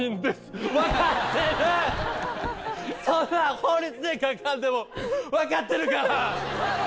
そんなん法律で書かんでもわかってるから！